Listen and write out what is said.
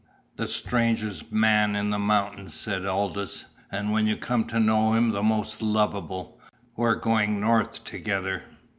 "The strangest man in the mountains," said Aldous "And, when you come to know him, the most lovable. We're going North together."